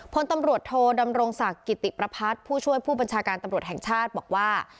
พลตำรวจโทดำรงศักดิ์กิติประพัฒน์ผู้ช่วยผู้บัญชาการตำรวจแห่งชาติบอกว่า